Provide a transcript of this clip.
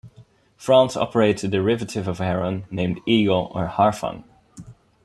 France operates a derivative of Heron named Eagle or Harfang.